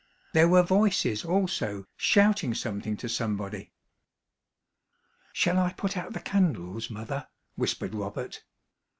There were voices also, shouting something to somebody. "Shall I put out the candles, mother?" whispered Robert.